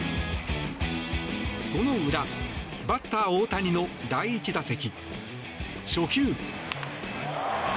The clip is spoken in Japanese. その裏、バッター大谷の第１打席、初球。